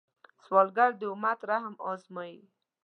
سوالګر د امت رحم ازمويي